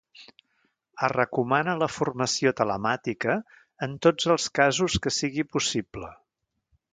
Es recomana la formació telemàtica en tots els casos que sigui possible.